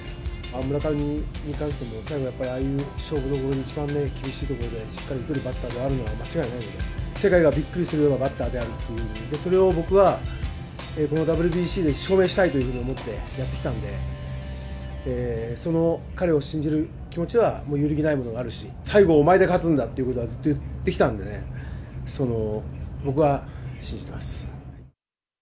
村上に関しても、ああいう勝負どころの一番厳しいところで、しっかり打てるバッターであるのは間違いないので、世界がびっくりするようなバッターであるという、それを僕は、このＷＢＣで証明したいというふうに思ってやってきたので、その彼を信じる気持ちはもう揺るぎないものがあるし、最後はお前で勝つんだということはずっと言ってきたんでね、僕は信じてます。